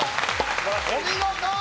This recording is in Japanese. お見事！